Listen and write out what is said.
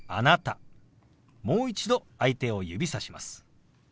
もう一度相手を指さします。